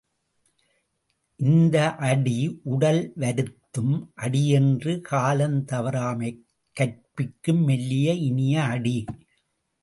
இந்த அடி உடல் வருத்தும் அடியன்று காலந் தவறாமையைக் கற்பிக்கும் மெல்லிய இனிய அடி.